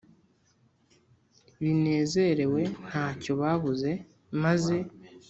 banezerewe ntacyo babuze maze